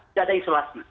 tidak ada isolasi